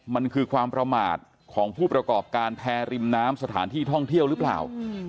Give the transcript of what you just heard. มันคือความประมาทของผู้ประกอบการแพร่ริมน้ำสถานที่ท่องเที่ยวหรือเปล่า